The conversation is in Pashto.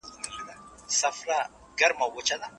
سو ګویا ورته بوډا عمر خوړلی